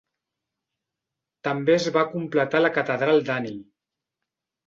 També es va completar la Catedral d'Ani.